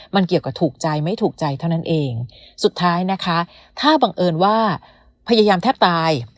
มันเกี่ยวกับถูกใจไม่ถูกใจเท่านั้นเองสุดท้ายนะคะถ้าบังเอิญว่าพยายามแทบตาย